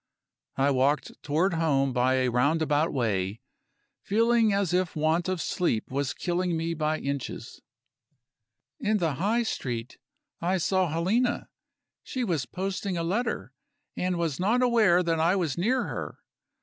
I walked toward home by a roundabout way; feeling as if want of sleep was killing me by inches. In the High Street, I saw Helena; she was posting a letter, and was not aware that I was near her.